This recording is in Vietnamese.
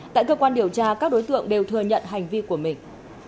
tại cơ quan điều tra các đối tượng đều thừa nhận hành vi của mình